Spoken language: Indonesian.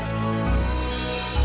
aku masih main